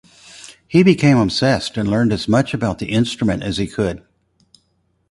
He became obsessed and learned as much about the instrument as he could.